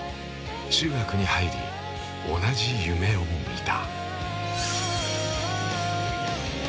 中学に入り、同じ夢を見た。